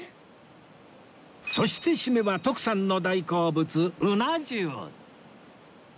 そしてシメは徳さんの大好物鰻重